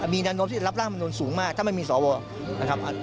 มีนโน้มที่จะรับร่างคำนวณสูงมากถ้าไม่มีสอบวง